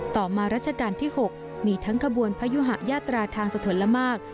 ต่อมารัชกาลที่๖มีทั้งขบวนพยุหะยาตราทางสะทนละมาก